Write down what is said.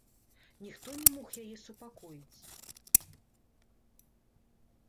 Ніхто не мог яе супакоіць.